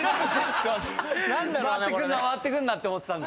回ってくるな回ってくるなって思ってたんです。